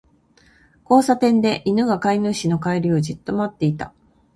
交差点で、犬が飼い主の帰りをじっと待っていた。